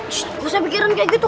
ssst nggak usah pikirin kayak gitu